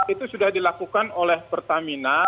itu sudah dilakukan oleh pertamina